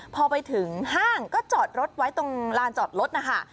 พอไปถึงห้างก็จอดรถไว้ตรงลานจอดรถนะคะ